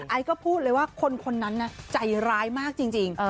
ไอซ์ก็พูดเลยว่าคนนั้นน่ะใจร้ายมากจริง